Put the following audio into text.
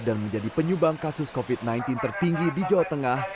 dan menjadi penyumbang kasus covid sembilan belas tertinggi di jawa tengah